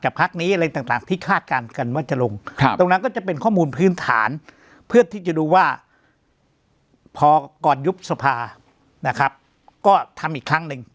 จากพักนี้อะไรต่างที่คาดกันว่าจะลงตรงนั้นก็จะเป็น